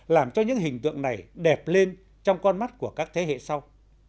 làm cho những hình tượng này đẹp lên trong con mắt của các thế hệ sau